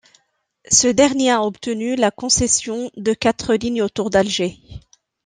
Ce dernier a obtenu la concession de quatre lignes autour d'Alger.